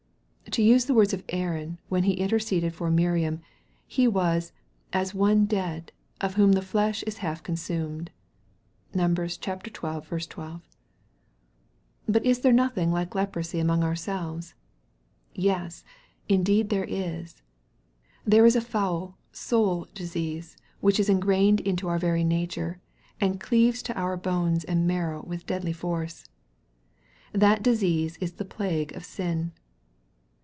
To use the words of Aaron, when he interceded for Miriam, he was " as one dead, of whom the flesh is half consumed." (Numbers xii. 12.) But is there nothing like leprosy among ourselves ? Yes ! indeed there is. There is a foul soul disease which is engrained into our very nature, and cleaves to our bones and marrow with deadly force. That disease is the plague of sin.